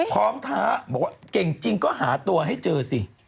ท้าบอกว่าเก่งจริงก็หาตัวให้เจอสิ